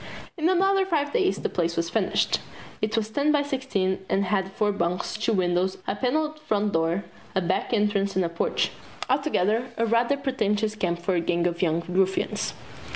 In another five days the place was finished. It was ten by sixteen, and had four bunks, two windows, a paneled front door, a back entrance and a porch altogether a rather pretentious camp for a gang of young ruffians.